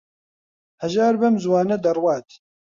هەژار بەم زووانە دەڕوات.